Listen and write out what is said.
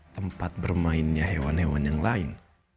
tempat bermainnya hewan hewan yang lain